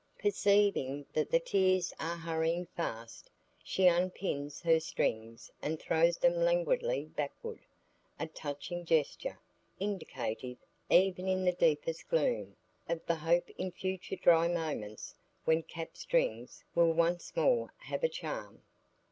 Perceiving that the tears are hurrying fast, she unpins her strings and throws them languidly backward, a touching gesture, indicative, even in the deepest gloom, of the hope in future dry moments when cap strings will once more have a charm.